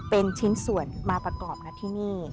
เป็นชิ้นส่วนมาประกอบนะที่นี่